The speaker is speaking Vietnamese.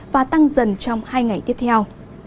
và tăng dần trong hai ngày tiếp theo